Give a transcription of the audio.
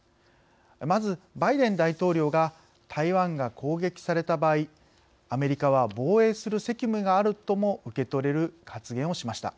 まず、バイデン大統領が台湾が攻撃された場合アメリカは防衛する責務があるとも受け取れる発言をしました。